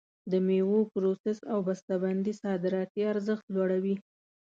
د میوو پروسس او بسته بندي صادراتي ارزښت لوړوي.